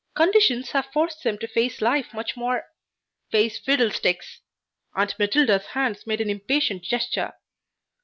Conditions have forced them to face life much more " "Face fiddlesticks!" Aunt Matilda's hands made an impatient gesture.